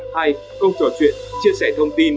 hai công trò chuyện chia sẻ thông tin